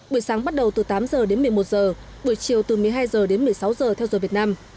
buổi sáng bắt đầu từ tám giờ đến một mươi một giờ buổi chiều từ một mươi hai h đến một mươi sáu giờ theo giờ việt nam